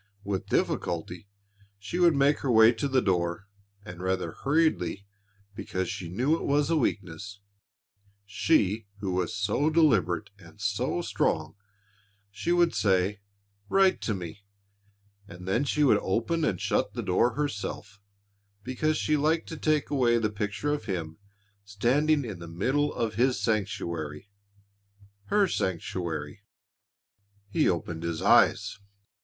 With difficulty, she would make her way to the door and rather hurriedly, because she knew it was a weakness she who was so deliberate and so strong she would say, "Write to me," and then she would open and shut the door herself because she liked to take away the picture of him standing in the middle of his sanctuary her sanctuary.... He opened his eyes.